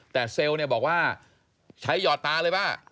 แต่เซลล์เนี่ยบอกว่าใช้หยอดตาเลยป้า